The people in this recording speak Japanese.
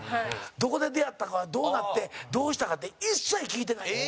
どこで出会ったか、どうなってどうしたかって一切聞いてないよ。